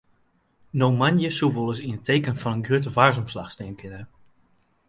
No moandei soe wolris yn it teken fan in grutte waarsomslach stean kinne.